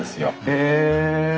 へえ。